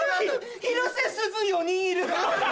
広瀬すず４人いる！